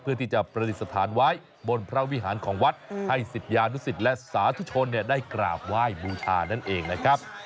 เพื่อที่จะประดิษฐานไว้บนพระวิหารของวัดให้ศิษยานุสิตและสาธุชนได้กราบไหว้บูชานั่นเองนะครับ